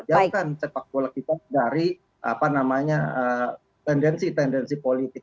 jangankan sepak bola kita dari tendensi tendensi politik